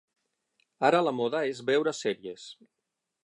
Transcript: Ara la moda és veure sèries.